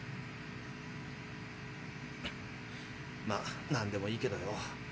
まなんでもいいけどよ